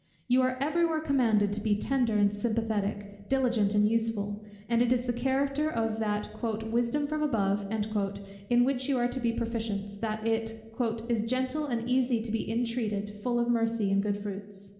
You are every where commanded to be tender and sympathetic, diligent and useful; and it is the character of that "wisdom from above," in which you are to be proficients, that it "is gentle and easy to be intreated, full of mercy and good fruits."